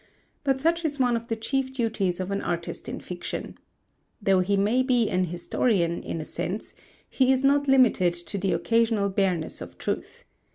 But such is one of the chief duties of an artist in fiction. Though he may be an historian, in a sense, he is not limited to the occasional bareness of truth.